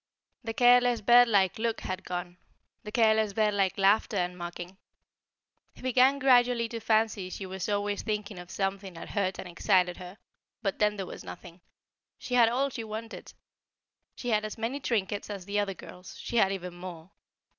The careless bird like look had gone, the careless bird like laughter and mocking. He began gradually to fancy she was always thinking of something that hurt and excited her. But then there was nothing. She had all she wanted. She had as many trinkets as the other girls; she had even more.